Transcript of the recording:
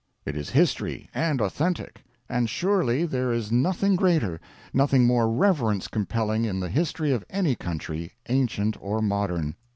It is history and authentic; and surely, there is nothing greater, nothing more reverence compelling in the history of any country, ancient or modern.